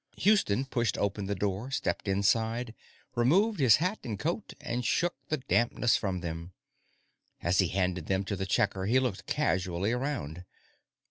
Houston pushed open the door, stepped inside, removed his hat and coat and shook the dampness from them. As he handed them to the checker, he looked casually around.